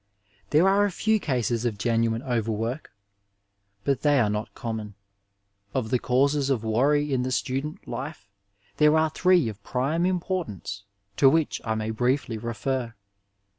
There are a few cases of genuine overwork, but they are not conmion. Of the causes of worry in the stu dent life there are three of prime importance to which I may briefly refer.